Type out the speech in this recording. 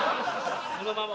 このまま。